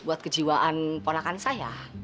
buat kejiwaan ponakan saya